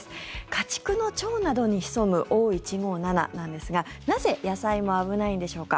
家畜の腸などに潜むＯ−１５７なんですがなぜ野菜も危ないのでしょうか。